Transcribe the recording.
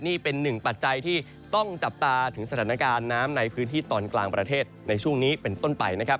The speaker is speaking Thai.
นี่เป็นหนึ่งปัจจัยที่ต้องจับตาถึงสถานการณ์น้ำในพื้นที่ตอนกลางประเทศในช่วงนี้เป็นต้นไปนะครับ